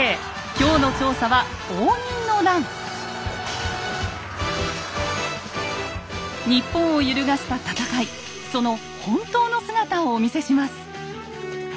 今日の調査は日本を揺るがした戦いその本当の姿をお見せします。